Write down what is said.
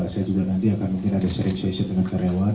saya juga nanti akan mungkin ada sharing suci dengan karyawan